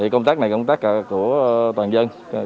công tác này công tác của toàn dân